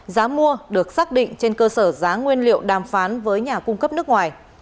giá mua được xác định trên cơ sở giá nguyên liệu đàm phán với nhà cung cấp nước ngoài